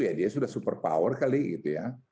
ya dia sudah super power kali gitu ya